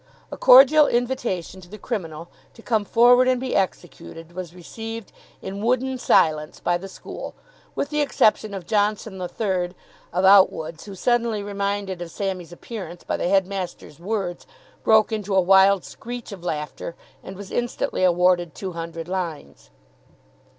A cordial invitation to the criminal to come forward and be executed was received in wooden silence by the school, with the exception of Johnson III., of Outwood's, who, suddenly reminded of Sammy's appearance by the headmaster's words, broke into a wild screech of laughter, and was instantly awarded two hundred lines.